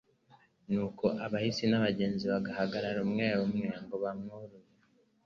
nuko abahisi n'abagenzi bagahagarara umwe umwe ngo bamwuruye,